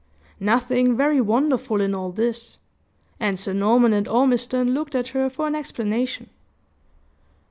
Nothing very wonderful in all this; and Sir Norman and Ormiston looked at her for an explanation.